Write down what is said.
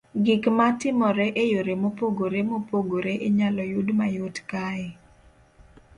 Gik ma timore e yore mopogore mopogore inyalo yud mayot kae.